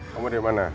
kamu dari mana